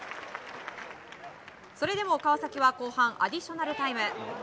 それでも川崎は後半、アディショナルタイム。